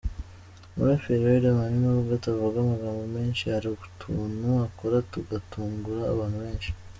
Umuraperi Riderman n’ubwo atavuga amagambo menshi, hari utuntu akora tugatungura abantu benshi .